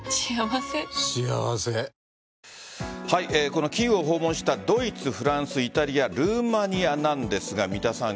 このキーウを訪問したドイツ、フランス、イタリアルーマニアなんですが三田さん